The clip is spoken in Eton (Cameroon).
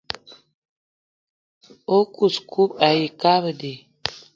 O kous kou ayi kabdi.